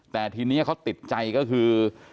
แต่ทีนี้เขาติดใจก็คือ